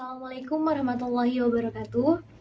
assalamualaikum warahmatullahi wabarakatuh